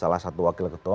salah satu wakil ketua